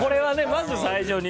まず最初に。